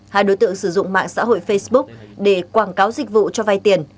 hai đối tượng sử dụng mạng xã hội facebook để quảng cáo dịch vụ cho vay tiền